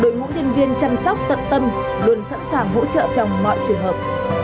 các nhân viên chăm sóc tận tâm luôn sẵn sàng hỗ trợ trong mọi trường hợp